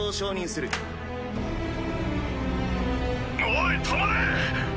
おい止まれ！